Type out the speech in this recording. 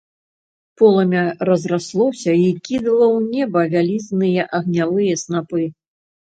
Полымя разраслося й кідала ў неба вялізныя агнявыя снапы.